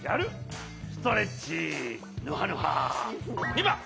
２ばん！